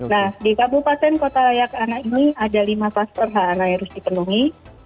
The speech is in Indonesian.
nah di kabupaten kota layak anak ini ada lima kluster h yang harus dipenuhi